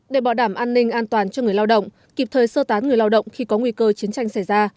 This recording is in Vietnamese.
để bảo đảm an ninh an toàn cho người lao động kịp thời sơ tán người lao động khi có nguy cơ chiến tranh xảy ra